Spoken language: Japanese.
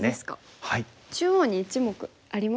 中央に１目ありますかね。